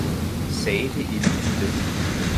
sagde det inden i den!